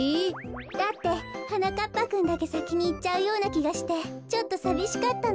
だってはなかっぱくんだけさきにいっちゃうようなきがしてちょっとさびしかったの。